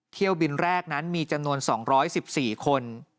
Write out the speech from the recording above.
เที่ยวบินแรกนั้นมีจำนวน๒๑๔คน